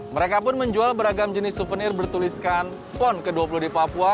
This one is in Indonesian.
mereka pun menjual beragam jenis suvenir bertuliskan pon ke dua puluh di papua